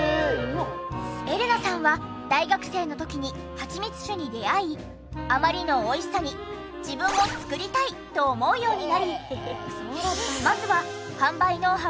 エレナさんは大学生の時に蜂蜜酒に出会いあまりのおいしさに自分も造りたいと思うようになり。